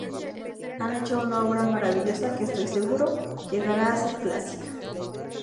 Han hecho una obra maravillosa que, estoy seguro, llegará a ser clásica"".